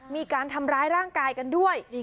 มีการทำร้ายร่างกายกันด้วย